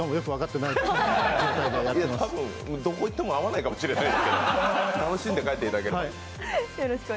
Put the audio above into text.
たぶん、どこ行っても合わないかもしれませんが楽しんで帰っていただけると。